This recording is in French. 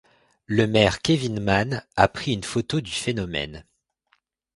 Le maire Kevin Mann a pris une photo du phénomène.